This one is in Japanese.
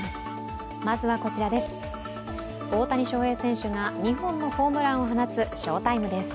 大谷翔平選手が２本のホームランを放つ翔タイムです。